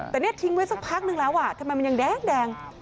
แต่เนี่ยทิ้งไว้สักพักนึงแล้วทำไมมันยังแดง